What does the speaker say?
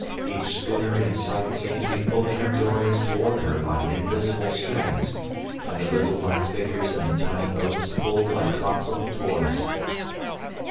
Each schooner in sight seemed to be pulling her dories towards her by invisible strings, and the little black figures in the tiny boats pulled like clockwork toys.